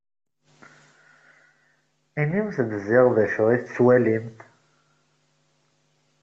Inimt-d ziɣ d acu i tettwalimt.